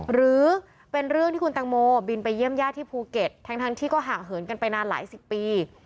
หรือเป็นเรื่องที่คุณตังโมบินไปเยี่ยมญาติที่ภูเก็ตทั้งที่ก็ห่างเหินกันไปนานหลายสิบปี